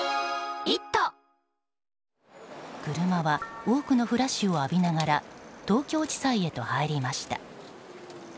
車は多くのフラッシュを浴びながら東京地裁へと入りました。